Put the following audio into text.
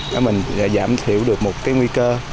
thì mình sẽ giảm thiểu được một cái nguy cơ